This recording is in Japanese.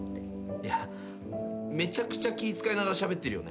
いやめちゃくちゃ気使いながらしゃべってるよね？